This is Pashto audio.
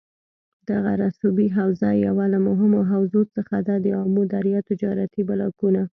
دغه رسوبي حوزه یوه له مهمو حوزو څخه ده دآمو دریا تجارتي بلاکونه